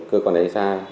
cơ quan hệ xa